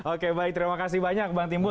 oke baik terima kasih banyak bang timbul